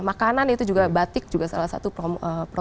makanan itu juga batik juga salah satu